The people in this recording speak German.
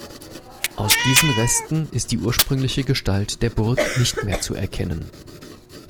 Aus diesen Resten ist die ursprüngliche Gestalt der Burg nicht mehr zu erkennen.